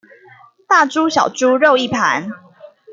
大豬小豬肉一盤